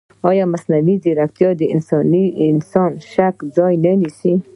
ایا مصنوعي ځیرکتیا د انساني شک ځای نه نیسي؟